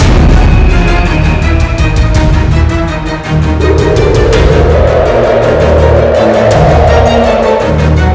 baik ayah nebrabu